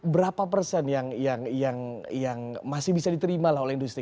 berapa persen yang masih bisa diterima oleh industri